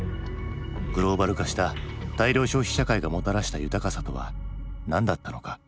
グローバル化した大量消費社会がもたらした豊かさとは何だったのか？